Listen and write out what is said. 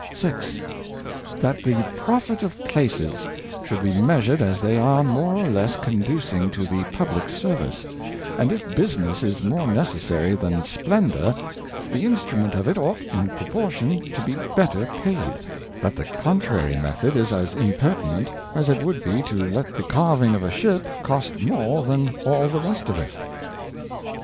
6. That the profit of Places should be measured as they are more or less conducing to the PubUck Service ; and if Business is moje necessary than Splendor, the Instrument of it oughVm" Proportion to be better paid ; that the contrary Method is as impertinent, as it would be to let the Carving of a Ship cost more than all the rest of it.